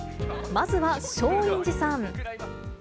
まずは松陰寺さん。